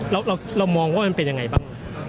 เรามองว่ามันเป็นยังไงบ้าง